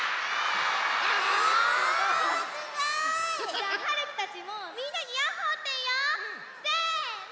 じゃあはるきたちもみんなにヤッホーっていおう！せの！